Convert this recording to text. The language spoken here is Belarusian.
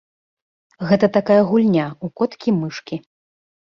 Гэта такая гульня ў коткі-мышкі.